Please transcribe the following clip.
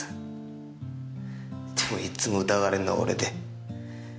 でもいっつも疑われるのは俺で。